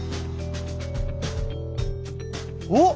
おっ！